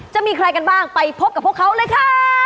จะมีใครกันบ้างไปพบกับพวกเขาเลยค่ะ